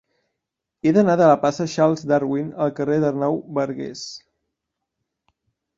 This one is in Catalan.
He d'anar de la plaça de Charles Darwin al carrer d'Arnau Bargués.